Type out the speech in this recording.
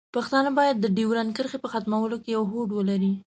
پښتانه باید د ډیورنډ کرښې په ختمولو کې یو هوډ ولري.